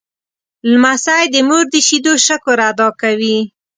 لمسی د مور د شیدو شکر ادا کوي.